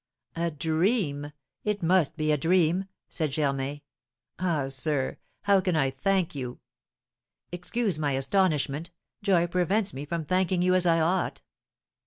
"A dream! It must be a dream!" said Germain. "Ah, sir, how can I thank you? Excuse my astonishment, joy prevents me from thanking you as I ought."